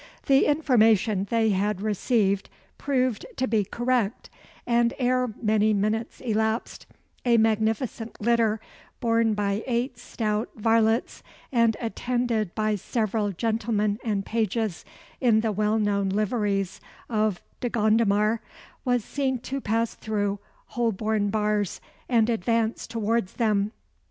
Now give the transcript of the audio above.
The information they had received proved to be correct; and ere many minutes elapsed, a magnificent litter, borne by eight stout varlets, and attended by several gentlemen and pages, in the well known liveries of De Gondomar, was seen to pass through Holborn Bars and advance towards them.